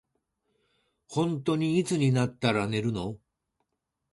ほんとにいつになったら寝れるの。